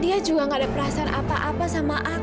dia juga gak ada perasaan apa apa sama aku